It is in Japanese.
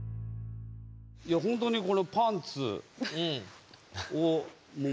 いやほんとにこのパンツをもうまんま。